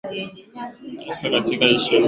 ya isu issue ya imani na uumbaji wa mungu